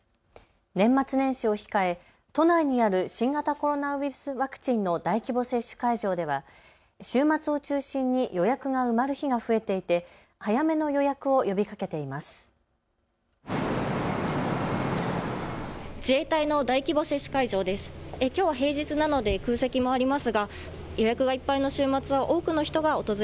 年末年始を控え都内にある新型コロナウイルスワクチンの大規模接種会場では週末を中心に予約が埋まる日が増えていて早めの予約を呼びかけています。